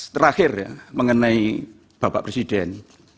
terakhir ya mengenai bapak presiden